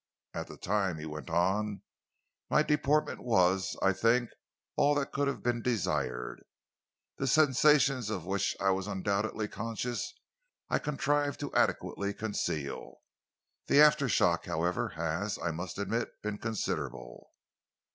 At the time," he went on, "my deportment was, I think, all that could have been desired. The sensations of which I was undoubtedly conscious I contrived to adequately conceal. The after shock, however, has, I must admit, been considerable."